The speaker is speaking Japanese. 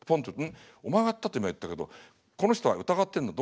「ん？お前がやったって今言ったけどこの人は疑ってんの？